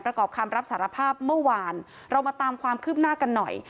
ประกอบคำรับสารภาพเมื่อวานเรามาตามความคืบหน้ากันหน่อย